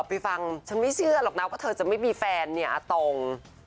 ไปฟังฉันไม่เชื่อหรอกนะว่าเธอจะไม่มีแฟนเนี่ยอาตง